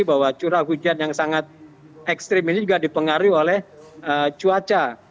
bahwa curah hujan yang sangat ekstrim ini juga dipengaruhi oleh cuaca